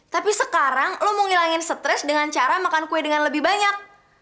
tapi sekarang lo mau ngilangin stres dengan cara makan kue dengan lebih banyak